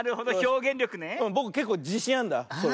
ぼくけっこうじしんあるんだこれ。